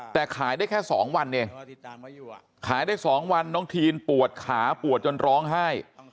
แต่ขายได้แค่๒วันเองขายได้๒วันน้องทีนปวดขาปวดจนร้องไห้